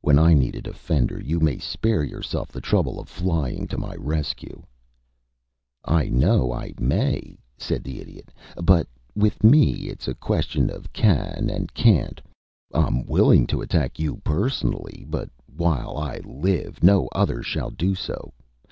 "When I need a defender, you may spare yourself the trouble of flying to my rescue." "I know I may," said the Idiot, "but with me it's a question of can and can't. I'm willing to attack you personally, but while I live no other shall do so.